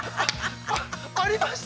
◆ありました！？